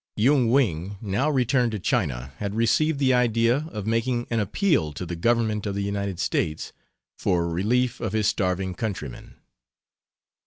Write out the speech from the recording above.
Yung Wing, now returned to China, had conceived the idea of making an appeal to the Government of the United States for relief of his starving countrymen.